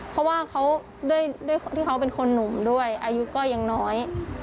เพราะว่าเขาเป็นคนหนุ่มด้วยอายุก็ยังน้อย